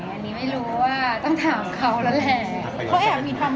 อันนี้ไม่รู้เต้นถามเค้าแล้วแหละ